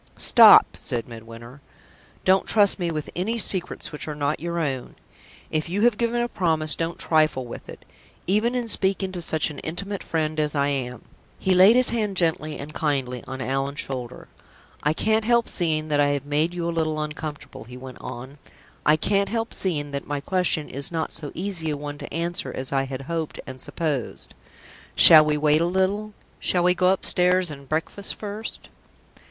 "Stop!" said Midwinter. "Don't trust me with any secrets which are not your own. If you have given a promise, don't trifle with it, even in speaking to such an intimate friend as I am." He laid his hand gently and kindly on Allan's shoulder. "I can't help seeing that I have made you a little uncomfortable," he went on. "I can't help seeing that my question is not so easy a one to answer as I had hoped and supposed. Shall we wait a little? Shall we go upstairs and breakfast first?"